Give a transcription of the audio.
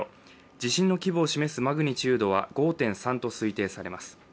地震の規模を示すマグニチュードは５．３と推定されます。